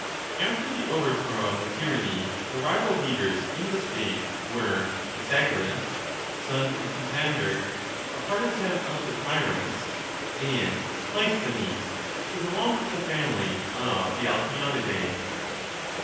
After the overthrow of the tyranny, the rival leaders in the state were Isagoras son of Tisander, a partisan of the tyrants, and Cleis thenes, who belonged to the family of the Alcmeonidae.